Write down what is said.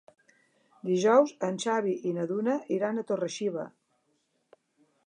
Dijous en Xavi i na Duna iran a Torre-xiva.